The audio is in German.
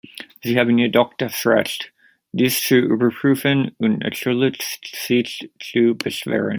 Sie haben jedoch das Recht, dies zu überprüfen und natürlich sich zu beschweren.